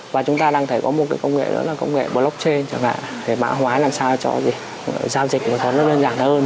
và chúng ta đang thấy có một cái công nghệ đó là công nghệ blockchain chẳng hạn để mã hóa làm sao cho giao dịch nó có nhanh hơn